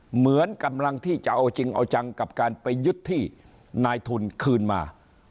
เหมือนกำลังที่จะเอาจริงเอาจังกับการไปยึดที่นายทุนคืนมา